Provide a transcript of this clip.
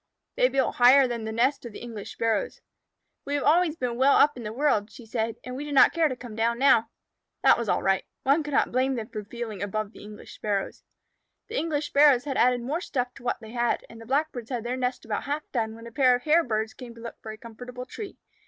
They built higher than the nest of the English Sparrows. "We have always been well up in the world," she said, "and we do not care to come down now." That was all right. One could not blame them for feeling above the English Sparrows. The English Sparrows had added more stuff to what they had, and the Blackbirds had their nest about half done when a pair of Hairbirds came to look for a comfortable tree.